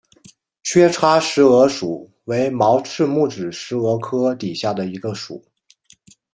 缺叉石蛾属为毛翅目指石蛾科底下的一个属。